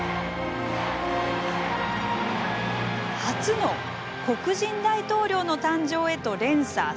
初の黒人大統領の誕生へと連鎖。